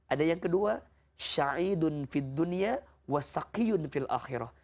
ada yang kedua